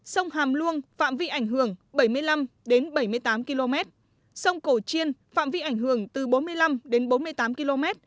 sông hàm luông phạm vị ảnh hưởng bảy mươi năm đến bảy mươi tám km sông cổ chiên phạm vị ảnh hưởng từ bốn mươi năm đến bốn mươi tám km